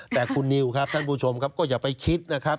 แต่คุณนิวครับท่านผู้ชมครับก็อย่าไปคิดนะครับ